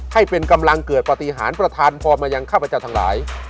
ให้เป็นกำลังเกิดปฏิหารประธานพรมายังข้าพเจ้าทั้งหลาย